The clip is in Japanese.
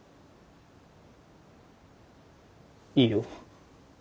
いいよ。